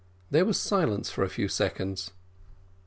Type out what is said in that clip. There was a silence for a few seconds.